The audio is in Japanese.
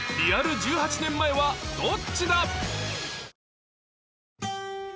１８年前はどっちだ？